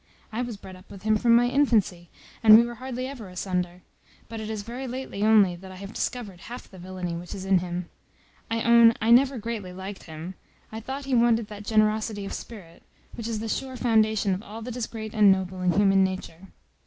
I was bred up with him from my infancy, and we were hardly ever asunder; but it is very lately only that I have discovered half the villany which is in him. I own I never greatly liked him. I thought he wanted that generosity of spirit, which is the sure foundation of all that is great and noble in human nature.